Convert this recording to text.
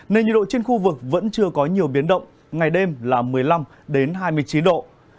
nên nhiệt độ trên khu vực vẫn chưa có nhiều biến động ngày đêm là một mươi năm hai mươi chín độ